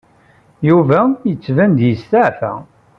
Yuba yettban-d yesteɛfa.